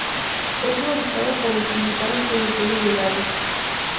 Es fabricado por los principales productores de helados.